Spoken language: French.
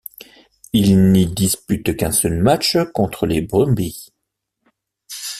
Il n'y dispute qu'un seul match contre les Brumbies.